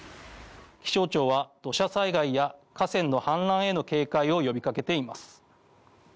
気象庁は土砂災害や河川の氾濫への警戒を呼びかけています。